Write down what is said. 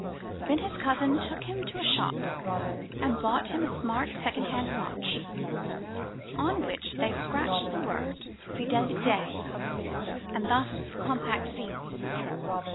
Then his cousin took him to a shop, and bought him a smart second hand watch, on which they scratched the word Fidelite, and thus was the compact sealed.